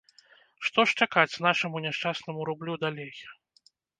Што ж чакаць нашаму няшчаснаму рублю далей?